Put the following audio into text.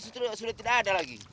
itu sudah tidak ada lagi